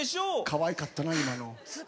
かわいかったな、今の。